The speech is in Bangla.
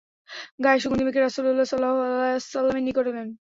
গায়ে সুগন্ধি মেখে রাসূলুল্লাহ সাল্লাল্লাহু আলাইহি ওয়াসাল্লামের নিকট এলেন।